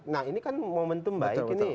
nah ini kan momentum baik ini